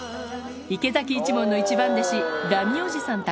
池崎一門の一番弟子、ラミおじさん宅。